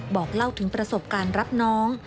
บอกเล่าถึงประสบการณ์รับน้อง